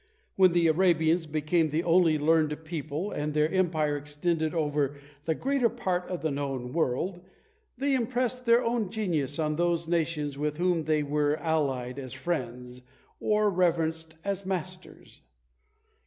When the Arabians became the only learned people, and their empire extended over the greater part of the known world, they impressed their own genius on those nations with whom they were allied as friends, or reverenced as masters.